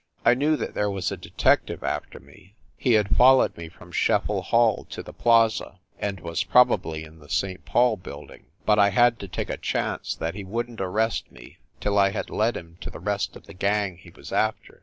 I knew that there was a detec tive after me; he had followed me from Scheffel Hall to the Plaza, and was probably in the St. Paul building. But I had to take a chance that he wouldn t arrest me till I had led him to the rest of the gang he was after.